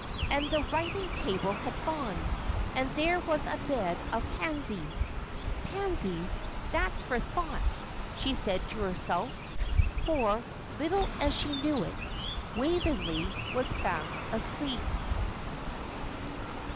And the writing table had gone, and there was a bed of pansies. "Pansies, that's for thoughts," she said to herself. For, little as she knew it, Waveney was fast asleep.